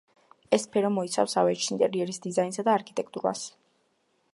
ეს სფერო მოიცავს ავეჯს, ინტერიერის დიზაინსა და არქიტექტურას.